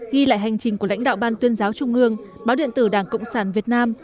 ghi lại hành trình của lãnh đạo ban tuyên giáo trung ương báo điện tử đảng cộng sản việt nam